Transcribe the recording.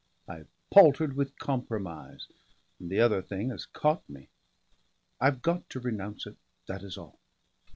I've paltered with compromise, and the other thing has caught me.... I've got to renounce it, that is all."